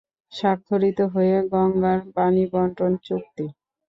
স্বাক্ষরিত হয় গঙ্গার পানি বণ্টন চুক্তি।